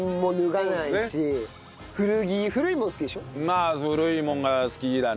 まあ古いもんが好きだね。